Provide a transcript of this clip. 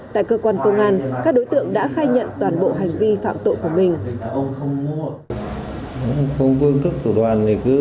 tại cơ quan công an các đối tượng đã khai nhận toàn bộ hành vi phạm tội của mình